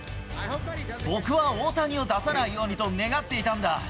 僕は大谷を出さないようにと願っていたんだ。